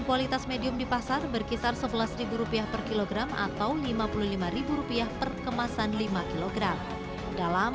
modalitas medium di pasar berkisar rp sebelas per kilogram atau rp lima puluh lima per kemasan lima kg dalam